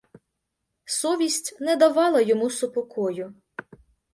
Совість не давала йому супокою.